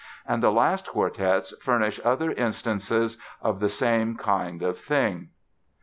And the last quartets furnish other instances of the same kind of thing.